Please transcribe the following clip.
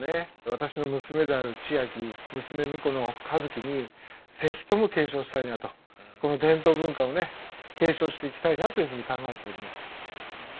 私の娘である知亜季娘婿の一樹に是非とも継承したいなとこの伝統文化をね継承していきたいなというふうに考えております。